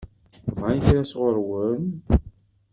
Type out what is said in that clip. Bɣan kra sɣur-wen?